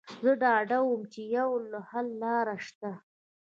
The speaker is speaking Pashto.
زه ډاډه وم چې يوه حللاره شته.